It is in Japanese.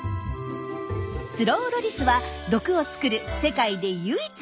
スローロリスは毒を作る世界で唯一のサル。